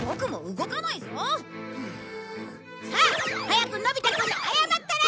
さあ早くのび太くんに謝ったら。